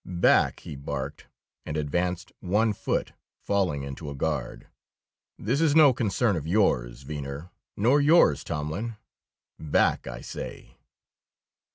"Back!" he barked, and advanced one foot, falling into a guard. "This is no concern of yours, Venner, nor yours, Tomlin. Back, I say!"